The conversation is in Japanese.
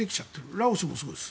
ラオスもそうです。